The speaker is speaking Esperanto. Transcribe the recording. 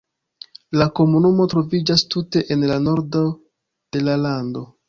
La komunumo troviĝas tute en la nordo de la lando.